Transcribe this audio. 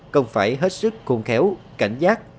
công phải hết sức khôn khéo cảnh giác